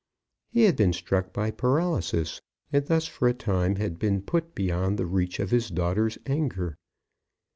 He had been struck by paralysis, and thus for a time had been put beyond the reach of his daughters' anger.